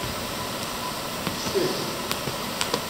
Ttkel.